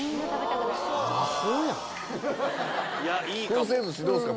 くん製寿司、どうですか？